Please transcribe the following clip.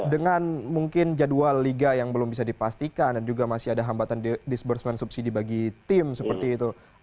dengan mungkin jadwal liga yang belum bisa dipastikan dan juga masih ada hambatan disbursement subsidi bagi tim seperti itu